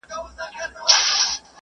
خره به هره ورځ ویل چي لویه خدایه ,